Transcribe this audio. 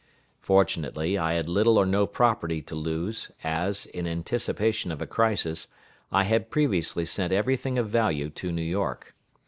Fortunately, I had little or no property to lose, as, in anticipation of a crisis, I had previously sent every thing of value to New York.